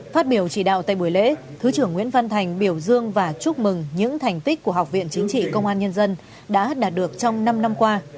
phát biểu chỉ đạo tại buổi lễ thứ trưởng nguyễn văn thành biểu dương và chúc mừng những thành tích của học viện chính trị công an nhân dân đã đạt được trong năm năm qua